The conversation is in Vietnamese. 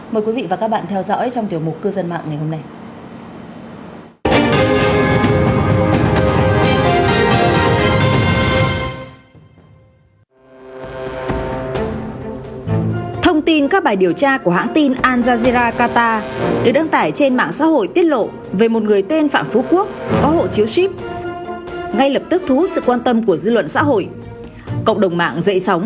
mời quý vị và các bạn theo dõi trong tiểu mục cư dân mạng ngày hôm nay